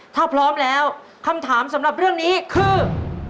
ถ้าพร้อมแล้วคำถามสำหรับเรื่องนี้คือ